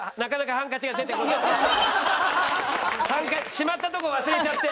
ハンカチしまったとこ忘れちゃって。